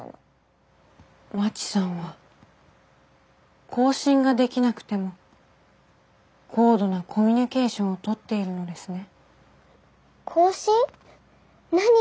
まちさんは交信ができなくても高度なコミュニケーションをとっているのですね。